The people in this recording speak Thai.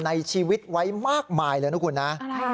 ในชีวิตไว้มากมายเลยนะคุณนะ